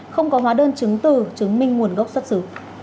không có hóa đơn chứng từ chứng minh nguồn gốc xuất xứ